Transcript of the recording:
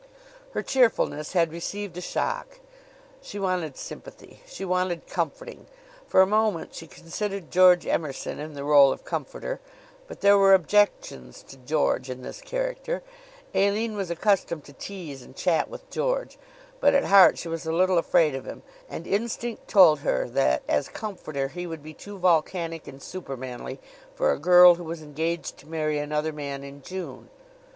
Her cheerfulness had received a shock. She wanted sympathy. She wanted comforting. For a moment she considered George Emerson in the role of comforter; but there were objections to George in this character. Aline was accustomed to tease and chat with George, but at heart she was a little afraid of him; and instinct told her that, as comforter, he would be too volcanic and supermanly for a girl who was engaged to marry another man in June.